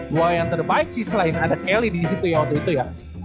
dua yang terbaik sih selain ada kelly di situ ya waktu itu ya